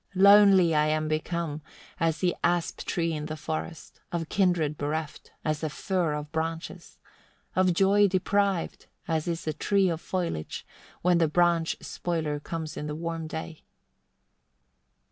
Lonely I am become, as the asp tree in the forest, of kindred bereft, as the fir of branches; of joy deprived, as is the tree of foliage, when the branch spoiler comes in the warm day."